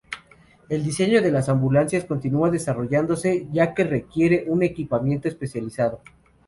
El diseño de las ambulancias continúa desarrollándose, ya que requiere un equipamiento especializado.